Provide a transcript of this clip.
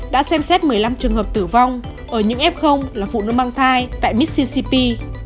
đã xem xét một mươi năm trường hợp tử vong ở những f là phụ nữ mang thai tại missicp